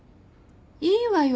いいわよ